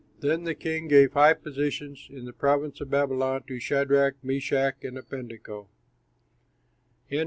Then the king gave high positions, in the province of Babylon, to Shadrach, Meshach, and Abednego.